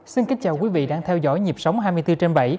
xin kính chào quý vị đang theo dõi nhịp sống hai mươi bốn trên bảy